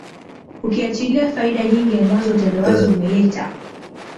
Ukiachilia faida nyingi ambazo utandawazi umeleta